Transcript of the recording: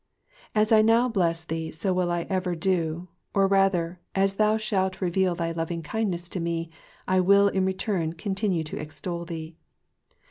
'*'' As I now bless thee so will I ever do ; or rather, so as thou shalt reveal thy lovingkindness to me, I will in return continue to extol thee.